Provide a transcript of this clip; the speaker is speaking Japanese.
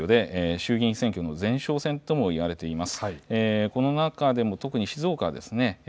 衆議院選挙の前哨戦とも言われています。